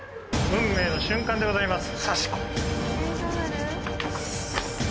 運命の瞬間でございます